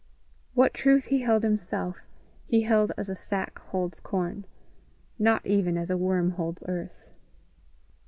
What truth he held himself, he held as a sack holds corn not even as a worm holds earth.